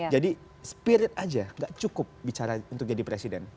jadi spirit aja gak cukup bicara untuk jadi presiden